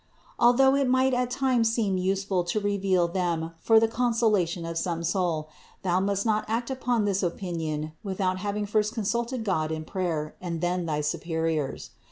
Although it might at times seem use ful to reveal them for the consolation of some soul, thou must not act upon this opinion without having first con sulted God in prayer, and then thy superiors.